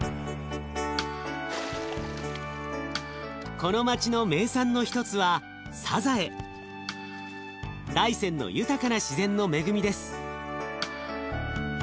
この町の名産の一つは大山の豊かな自然の恵みです。